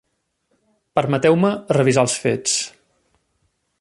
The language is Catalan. Permeteu-me revisar els fets.